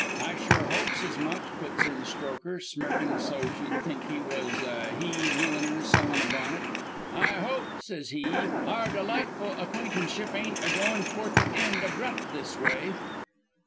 "'I sure hopes as much,' puts in Strokher, smirkin' so's you'd think he was a he milliner sellin' a bonnet. 'I hope,' says he, 'our delightful acquaintanceship ain't a goin' for to end abrupt this a way.'